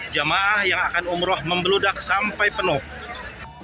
jemaah yang akan umrah membeludak sampai pagi